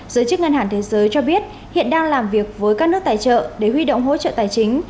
giới chức ngân hàng thế giới cho biết hiện đang làm việc với các nước tài trợ để huy động hỗ trợ tài chính